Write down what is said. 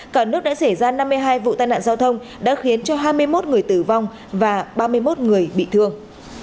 cả nước đã xảy ra năm mươi hai vụ tai nạn giao thông đã khiến cho hai mươi một người tử vong và ba mươi một người bị thương